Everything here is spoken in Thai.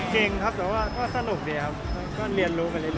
เก่งครับแต่ว่าก็สนุกดีครับก็เรียนรู้ไปเรื่อย